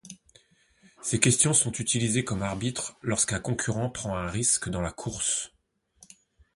Ces questions sont utilisées comme arbitre lorsqu'un concurrent prend un risque dans la course.